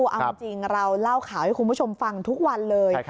เอาจริงเราเล่าข่าวให้คุณผู้ชมฟังทุกวันเลย